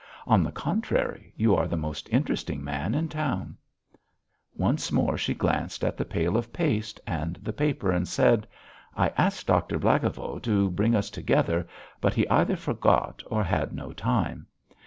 On the contrary, you are the most interesting man in the town." Once more she glanced at the pail of paste and the paper and said: "I asked Doctor Blagovo to bring us together, but he either forgot or had no time.